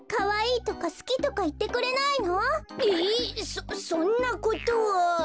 そそんなことは。